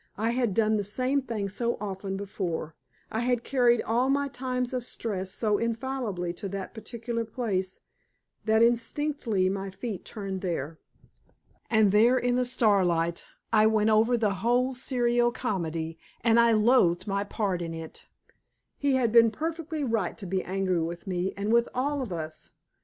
I had done the same thing so often before; I had carried all my times of stress so infallibly to that particular place, that instinctively my feet turned there. And there in the starlight, I went over the whole serio comedy, and I loathed my part in it. He had been perfectly right to be angry with me and with all of us.